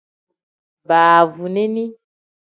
Baavunini.